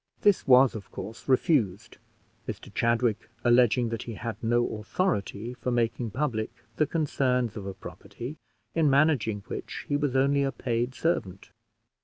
This was of course refused, Mr Chadwick alleging that he had no authority for making public the concerns of a property in managing which he was only a paid servant.